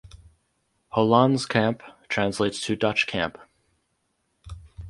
Hollandse Kamp translates to Dutch camp.